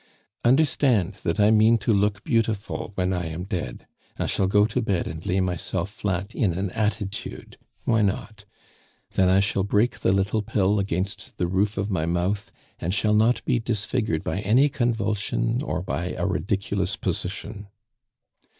Understand that I mean to look beautiful when I am dead. I shall go to bed, and lay myself flat in an attitude why not? Then I shall break the little pill against the roof of my mouth, and shall not be disfigured by any convulsion or by a ridiculous position.